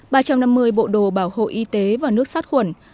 ba trăm năm mươi bộ đồ bảo hộ y tế và nước sát khuẩn